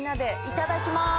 いただきます！